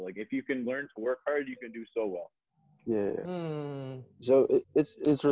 kalau kamu bisa belajar bekerja keras kamu bisa melakukan yang terbaik